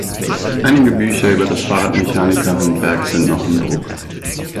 Einige Bücher über das Fahrradmechanikerhandwerk sind noch im Druck.